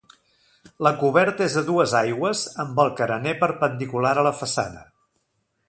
La coberta és a dues aigües amb el carener perpendicular a la façana.